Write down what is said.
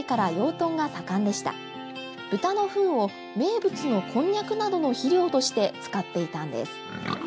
豚のふんを名物のこんにゃくなどの肥料として使っていたんです。